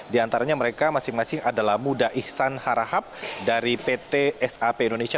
di antaranya mereka masing masing adalah muda iksan harahap dari pt sap indonesia